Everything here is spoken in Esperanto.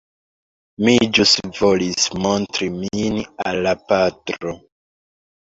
Mi ĵus volis montri min al la patro.